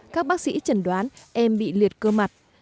các bác sĩ chẩn đoán em bị liệt cơ mặt